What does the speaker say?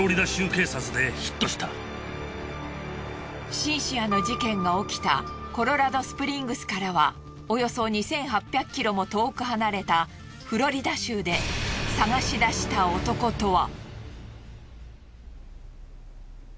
シンシアの事件が起きたコロラドスプリングスからはおよそ２，８００ｋｍも遠く離れたフロリダ州で捜し出した男とは。